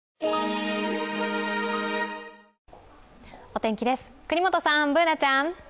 お天気です、國本さん、Ｂｏｏｎａちゃん。